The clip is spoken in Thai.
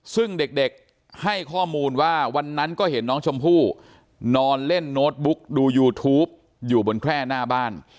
ซึ่งเด็กให้ข้อมูลว่าวันนั้นก็เห็นน้องชมพู่นอนเล่นโน้ตบุ๊กดูยูทูปอยู่บนแคร่หน้าบ้าน